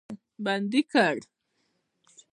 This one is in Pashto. بندي کړ.